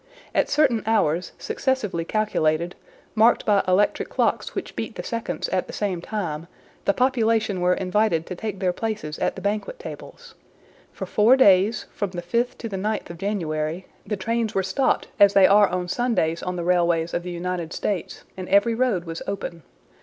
At certain hours, successively calculated, marked by electric clocks which beat the seconds at the same time, the population were invited to take their places at the banquet tables. For four days, from the 5th to the 9th of January, the trains were stopped as they are on Sundays on the railways of the United States, and every road was open.